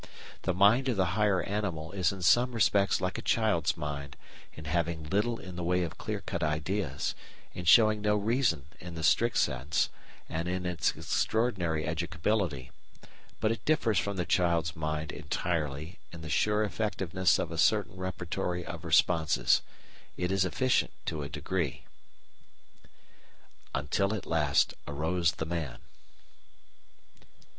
The mind of the higher animal is in some respects like a child's mind, in having little in the way of clear cut ideas, in showing no reason in the strict sense, and in its extraordinary educability, but it differs from the child's mind entirely in the sure effectiveness of a certain repertory of responses. It is efficient to a degree. "Until at last arose the Man."